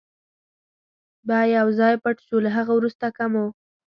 به یو ځای پټ شو، له هغه وروسته که مو.